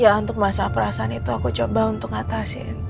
ya untuk masalah perasaan itu aku coba untuk atasi